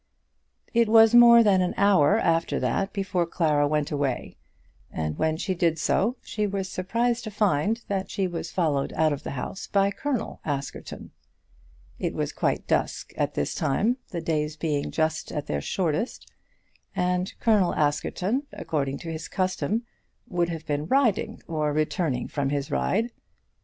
It was more than an hour after that before Clara went away, and when she did so she was surprised to find that she was followed out of the house by Colonel Askerton. It was quite dusk at this time, the days being just at their shortest, and Colonel Askerton, according to his custom, would have been riding, or returning from his ride.